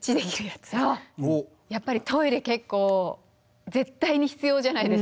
やっぱりトイレ結構絶対に必要じゃないですか。